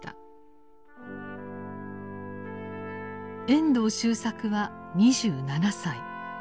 遠藤周作は２７歳。